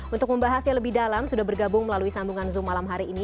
untuk membahasnya lebih dalam sudah bergabung melalui sambungan zoom malam hari ini